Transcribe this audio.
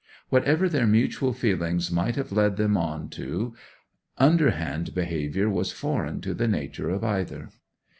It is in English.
Whatever their mutual feelings might have led them on to, underhand behaviour was foreign to the nature of either.